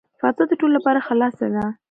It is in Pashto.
فضا د ټولو لپاره خلاصه ده.